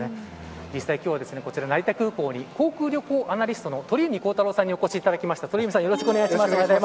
実際、今日はこちら成田空港に航空・旅行アナリストの鳥海高太朗さんにお越しいただきました。